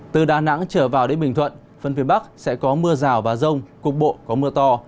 từ đà nẵng trở vào đến bình thuận phần phía bắc sẽ có mưa rào và rông cục bộ có mưa to